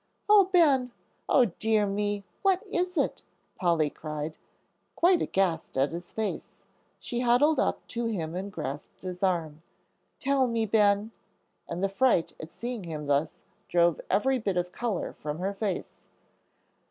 "Oh, Ben! O dear me! What is it?" Polly cried, quite aghast at his face. She huddled up to him and grasped his arm. "Tell me, Ben," and the fright at seeing him thus drove every bit of color from her face.